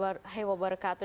waalaikumsalam wr wb